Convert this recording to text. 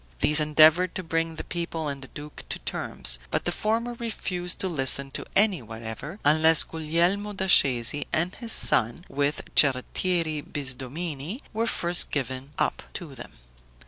These endeavored to bring the people and the duke to terms; but the former refused to listen to any whatever, unless Guglielmo da Scesi and his son, with Cerrettieri Bisdomini, were first given up to them.